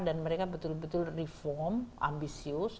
dan mereka betul betul reform ambisius